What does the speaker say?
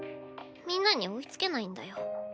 みんなに追いつけないんだよ。